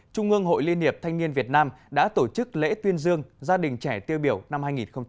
trung ương hội liên hiệp thanh niên việt nam đã tổ chức lễ tuyên dương gia đình trẻ tiêu biểu năm hai nghìn hai mươi